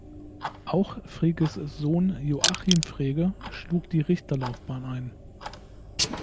Auch Freges Sohn Joachim Frege schlug die Richterlaufbahn ein.